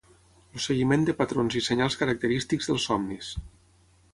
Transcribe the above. el seguiment de patrons i senyals característics dels somnis